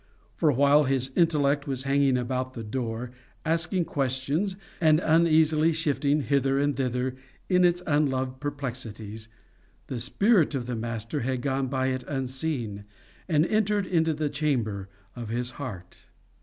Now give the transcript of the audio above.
For while his intellect was hanging about the door, asking questions, and uneasily shifting hither and thither in its unloved perplexities, the spirit of the master had gone by it unseen, and entered into the chamber of his heart.